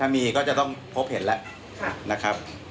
ถ้ามีก็จะต้องพบเห็นแล้ว